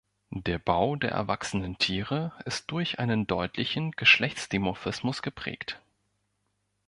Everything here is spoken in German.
Der Bau der erwachsenen Tiere ist durch einen deutlichen Geschlechtsdimorphismus geprägt.